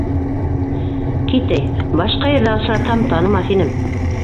Кит, әй, башҡа ерҙә осратһам, танымаҫ инем!